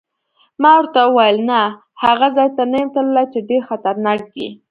ما ورته وویل: نه، هغه ځای ته نه یم تللی چې ډېر خطرناک دی.